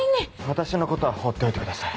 私のことは放っておいてください。